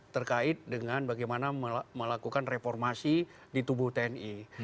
terkait dengan bagaimana melakukan reformasi di tubuh tni